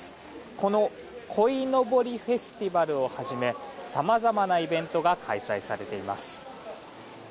このこいのぼりフェスティバルをはじめさまざまなイベントが開催されています。